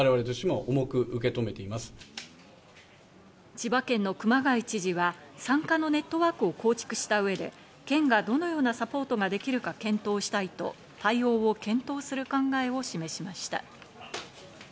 千葉県の熊谷知事は、産科のネットワークを構築した上で、県がどのようなサポートができるか検討したいと対応を検討する考えを示しました。